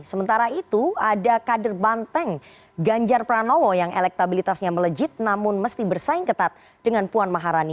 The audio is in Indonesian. sementara itu ada kader banteng ganjar pranowo yang elektabilitasnya melejit namun mesti bersaing ketat dengan puan maharani